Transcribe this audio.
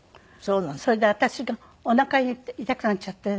それで私がおなか痛くなっちゃって。